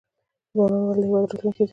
ځوانان ولې د هیواد راتلونکی دی؟